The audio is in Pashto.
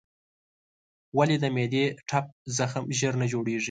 ولې د معدې ټپ زخم ژر نه جوړېږي؟